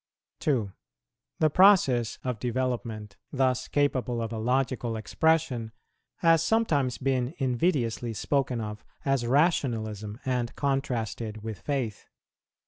2. The process of development, thus capable of a logical expression, has sometimes been invidiously spoken of as rationalism and contrasted with faith.